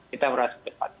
kita berharap secepat